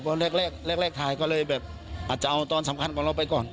แรกแรกถ่ายก็เลยแบบอาจจะเอาตอนสำคัญของเราไปก่อน